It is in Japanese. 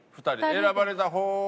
選ばれた方が。